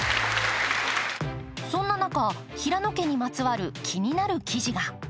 そんな中、平野家にまつわる気になる記事が。